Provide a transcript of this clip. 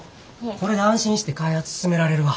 これで安心して開発進められるわ。